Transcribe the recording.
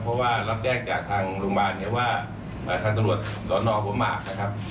เพราะว่ารับแจ้งจากทางโรงพยาบาลเนี่ยว่าทางตำรวจสอนอหัวหมากนะครับ